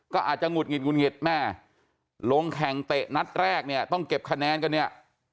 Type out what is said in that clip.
ก็อาจจะหงุดหงิดหุดหงิดแม่ลงแข่งเตะนัดแรกเนี่ยต้องเก็บคะแนนกันเนี่ย